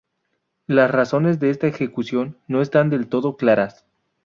Las razones de esta ejecución no están del todo claras.